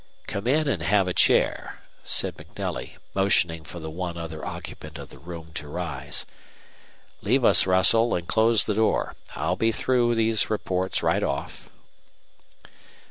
"Come in and have a chair," said MacNelly, motioning for the one other occupant of the room to rise. "Leave us, Russell, and close the door. I'll be through these reports right off."